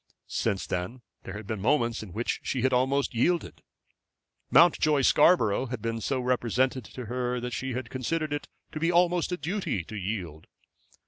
Since that there had been moments in which she had almost yielded. Mountjoy Scarborough had been so represented to her that she had considered it to be almost a duty to yield.